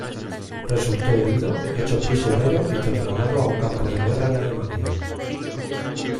Resultó herido, hecho prisionero y trasladado a un campo de guerra en Alemania.